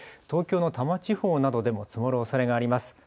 東京の多摩地方などでも積もるおそれがあります。